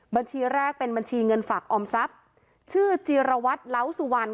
บัญชีแรกเป็นบัญชีเงินฝากออมทรัพย์ชื่อจีรวัตรเล้าสุวรรณ